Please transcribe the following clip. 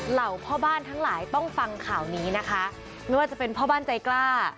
เหล่าพ่อบ้านทั้งหลายต้องฟังข่าวนี้นะคะไม่ว่าจะเป็นพ่อบ้านใจกล้า